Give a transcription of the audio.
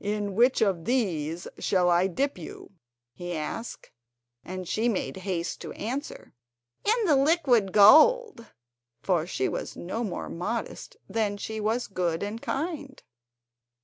"In which of these shall I dip you?" he asked; and she made haste to answer: "In the liquid gold," for she was no more modest than she was good and kind.